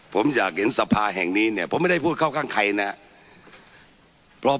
ผมประทวงข้อ๙ครับ